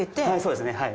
はいそうですね。